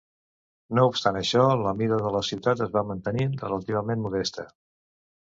No obstant això, la mida de la ciutat es va mantenir relativament modesta.